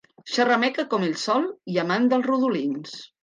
Xerrameca com ell sol, i amant dels rodolins.